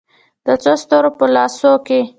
د څو ستورو په لاسو کې